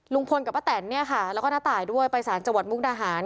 ลุงพลกับป้าแตนเนี่ยค่ะแล้วก็น้าตายด้วยไปสารจังหวัดมุกดาหาร